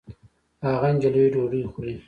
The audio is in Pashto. هغه نجلۍ ډوډۍ خوري